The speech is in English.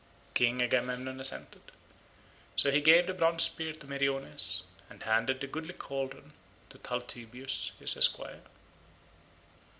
King Agamemnon assented. So he gave the bronze spear to Meriones, and handed the goodly cauldron to Talthybius his esquire.